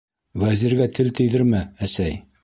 - Вәзиргә тел тейҙермә, әсәй.